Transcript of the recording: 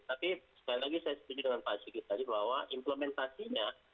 tapi sekali lagi saya setuju dengan pak sigit tadi bahwa implementasinya